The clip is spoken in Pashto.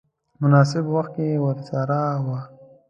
مناسب وخت کې ورساوه.